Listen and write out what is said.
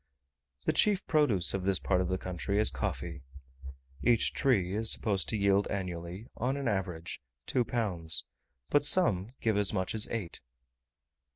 The chief produce of this part of the country is coffee. Each tree is supposed to yield annually, on an average, two pounds; but some give as much as eight.